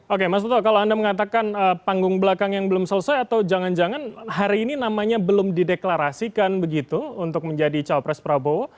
oke mas toto kalau anda mengatakan panggung belakang yang belum selesai atau jangan jangan hari ini namanya belum dideklarasikan begitu untuk menjadi cawapres prabowo